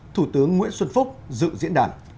thủ tướng nguyễn xuân phúc dự diễn đàn